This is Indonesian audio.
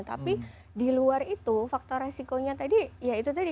tapi diluar itu faktor resikonya tadi ya itu tadi